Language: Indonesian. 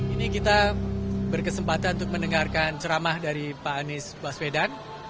ini kita berkesempatan untuk mendengarkan ceramah dari pak anies baswedan